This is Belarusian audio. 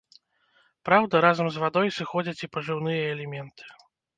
Праўда, разам з вадой сыходзяць і пажыўныя элементы.